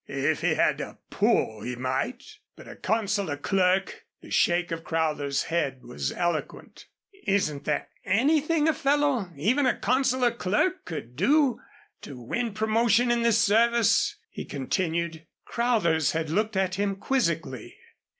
"If he had a pull, he might but a consular clerk " The shake of Crowthers' head was eloquent. "Isn't there anything a fellow even a consular clerk could do to win promotion in this service?" he continued. Crowthers had looked at him quizzically.